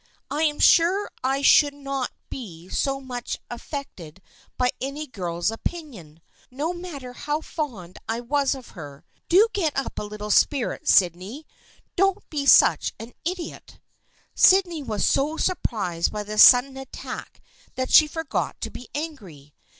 I'm sure I should not be so much af fected by any girl's opinion, no matter how fond I was of her. Do get up a little spirit, Sydney. Don't be such an idiot." Sydney was so surprised by this sudden attack that she forgot to be angry.